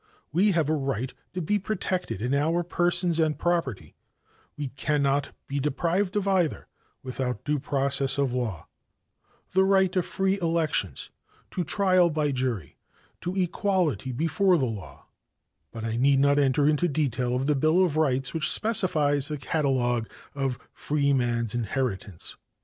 We have a right to be protected in our persons and property; we cannot be deprived of either without due process of law; the right of free elections, to trial by jury, to equality before the law but I need not enter into detail of the 'Bill of Rights' which specifies the catalogue of a freeman's inheritance.